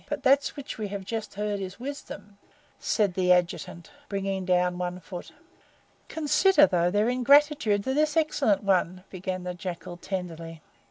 But that which we have just heard is wisdom," said the Adjutant, bringing down one foot. "Consider, though, their ingratitude to this excellent one," began the Jackal tenderly.